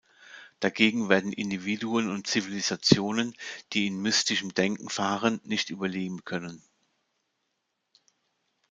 Dagegen werden Individuen und Zivilisationen, die in mystischem Denken verharren, nicht überleben können.